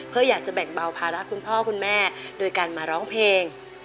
เพื่ออยากจะแบ่งเบาภาระคุณพ่อคุณแม่โดยการมาร้องเพลง